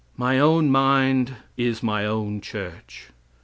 "My own mind is my own church.